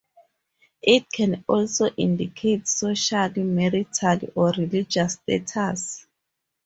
It can also indicate social, marital or religious status.